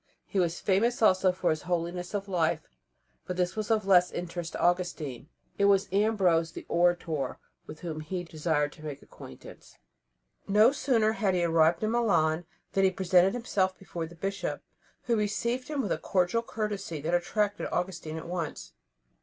He was famous also for his holiness of life, but this was of less interest to Augustine; it was Ambrose the orator with whom he desired to make acquaintance. No sooner had he arrived in Milan than he presented himself before the Bishop, who received him with a cordial courtesy that attracted Augustine at once.